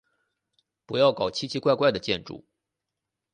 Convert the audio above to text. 不要搞奇奇怪怪的建筑。